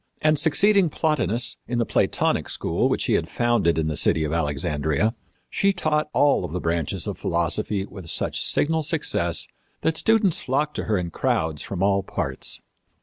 And succeeding Plotinus, in the Platonic school which he had founded in the city of Alexandria, she taught all the branches of philosophy with such signal success that students flocked to her in crowds from all parts."